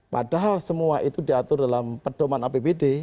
padahal semua itu diatur dalam pedoman apbd